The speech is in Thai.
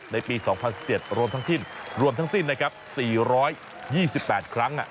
ในปี๒๐๑๗รวมทั้งสิ้นรวมทั้งสิ้นนะครับ๔๒๘ครั้ง